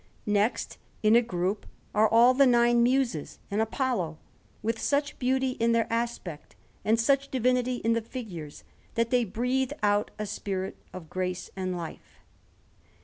Next, in a group, are all the nine Muses and Apollo, with such beauty in their aspect, and such divinity in the figures, that they breathe out a spirit of grace and life.